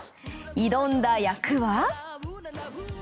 挑んだ役は。